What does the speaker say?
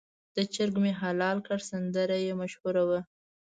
د چرګ مې حلال کړ سندره یې مشهوره وه.